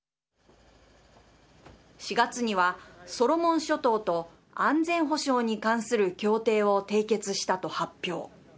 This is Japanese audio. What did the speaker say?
４月には、ソロモン諸島と安全保障に関する協定を締結したと発表。